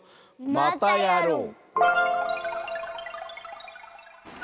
またやろう！